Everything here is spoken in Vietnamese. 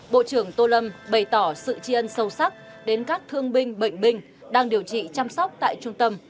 bộ trưởng tô lâm bày tỏ sự tri ân sâu sắc đến các thương binh bệnh binh đang điều trị chăm sóc tại trung tâm